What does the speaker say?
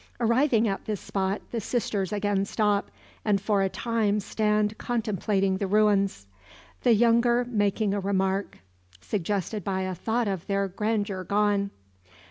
Arriving at this spot, the sisters again stop, and for a time stand contemplating the ruins; the younger making a remark, suggested by a thought of their grandeur gone.